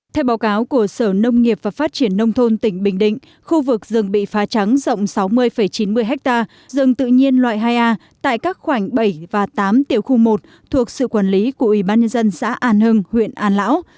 theo báo cáo của sở nông nghiệp và phát triển nông thôn tỉnh bình định khu vực rừng bị phá trắng rộng sáu mươi chín mươi ha rừng tự nhiên loại hai a tại các khoảnh bảy và tám tiểu khu một thuộc sự quản lý của ủy ban nhân dân xã an hưng huyện an lão